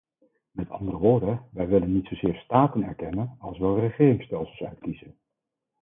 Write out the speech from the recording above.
Met andere woorden, wij willen niet zozeer staten erkennen, als wel regeringsstelsels uitkiezen.